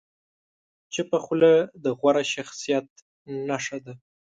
چپه خوله، د غوره شخصیت نښه ده.